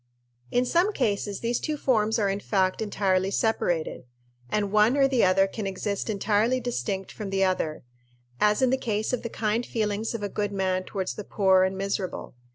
In some cases these two forms are in fact entirely separated, and one or the other can exist entirely distinct from the other as in the case of the kind feelings of a good man towards the poor and miserable.